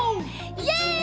イエイ！